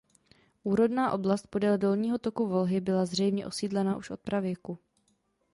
Úrodná oblast podél dolního toku Volhy byla zřejmě osídlena už od pravěku.